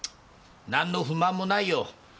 何の不満もないよ。